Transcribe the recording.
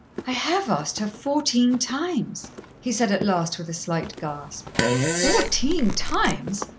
"I have asked her fourteen times," he said at last with a slight gasp. "Fourteen times!"